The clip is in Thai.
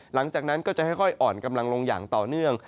หลังจากนั้นก็จะค่อยอ่อนกำลังลงอย่างต่อเนื่อง